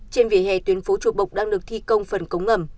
trên vỉa hè tuyến phố chùa bộc đang được thi công phần cống ngầm